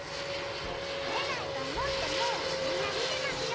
バレないとおもってもみんなみてますよ！